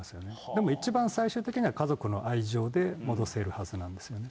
でも一番最終的には家族の愛情で戻せるはずなんですよね。